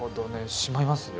しまいますよ。